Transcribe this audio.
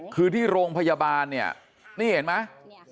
คือที่โรงพยาบาลเนี่ยนี่เห็นไหม